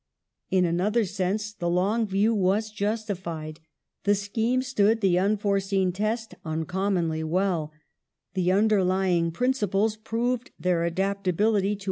In another sense the long view was justified ; the scheme stood the unforeseen test uncom monly well ; the underlying principles proved their adaptability to 1 Argyll, i.